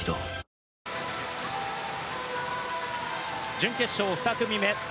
準決勝２組目。